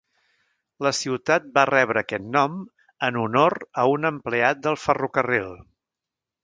La ciutat va rebre aquest nom en honor a un empleat del ferrocarril.